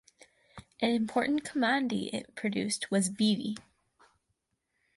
An important commodity it produced was beedi.